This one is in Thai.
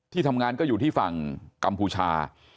ทำงานก็อยู่ที่ฝั่งกัมพูชา